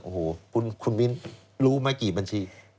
โอ้โหคุณมิ้นรู้ไหมกี่บัญชี